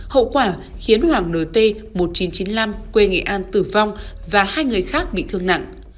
hậu quả khiến hoàng nt một nghìn chín trăm chín mươi năm quê nghệ an tử vong và hai người khác bị thương nặng